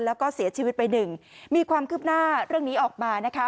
แล้วก็เสียชีวิตไปหนึ่งมีความคืบหน้าเรื่องนี้ออกมานะคะ